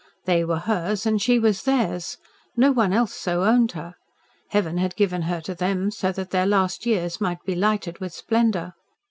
They were hers and she was theirs. No one else so owned her. Heaven had given her to them that their last years might be lighted with splendour.